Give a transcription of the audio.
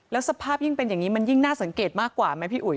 แล้วสภาพยิ่งเป็นอย่างนี้มันยิ่งน่าสังเกตมากกว่าไหมพี่อุ๋ย